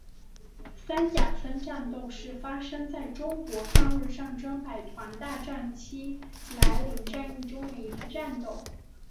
三甲村战斗是发生在中国抗日战争百团大战期间涞灵战役中的一次战斗。